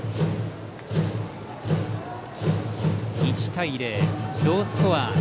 １対０、ロースコア。